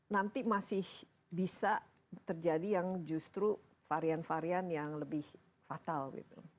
nanti masih bisa terjadi yang justru varian varian yang lebih fatal gitu